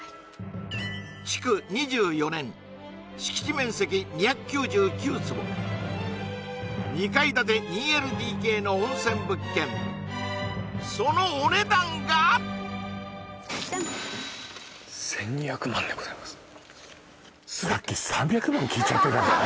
築２４年敷地面積２９９坪２階建て２ＬＤＫの温泉物件そのジャン１２００万でございますハハハハすいません